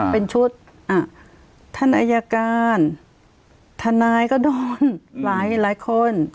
เป็นชุดอ่ะทนายการทนายก็โดนหลายหลายคน